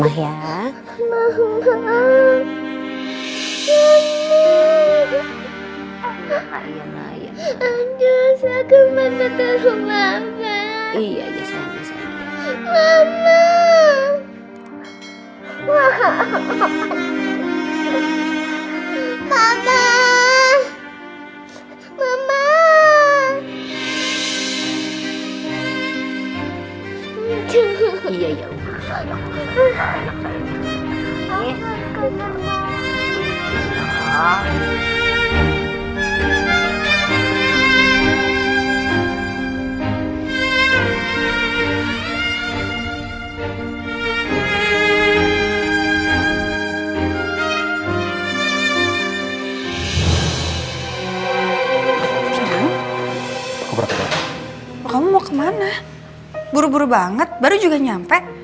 hah buru buru banget baru juga nyampe